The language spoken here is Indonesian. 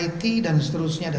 it dan seterusnya